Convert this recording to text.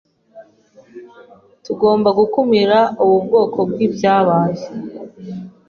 Tugomba gukumira ubu bwoko bwibyabaye.